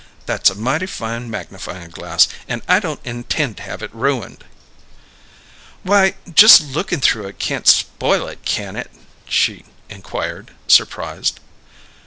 That's a mighty fine magnifying glass, and I don't intend to have it ruined." "Why, just lookin' through it can't spoil it, can it?" she inquired, surprised.